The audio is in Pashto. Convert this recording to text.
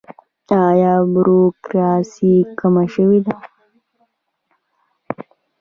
آیا بروکراسي کمه شوې ده؟